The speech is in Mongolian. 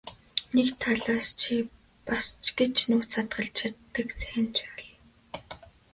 Нэг талаас чи бас ч гэж нууц хадгалж чаддаг сайн жаал.